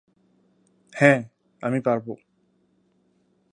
হ্যাঁ, আমি পারব।